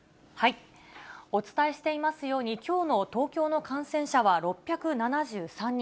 お伝えしていますように、きょうの東京の感染者は６７３人。